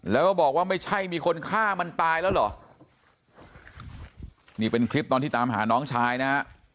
แล้วก็บอกว่าไม่ใช่มีคนฆ่ามันตายแล้วเหรอนี่เป็นคลิปตอนที่ตามหาน้องชายนะฮะ